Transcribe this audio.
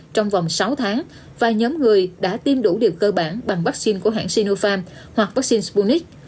trong vòng sáu tháng và nhóm người đã tiêm đủ liều cơ bản bằng vaccine của hãng sinopharm hoặc vaccine sputnik